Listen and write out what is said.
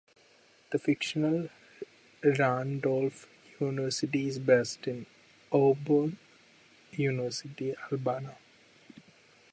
The fictional Randolph University is based on Auburn University, Alabama.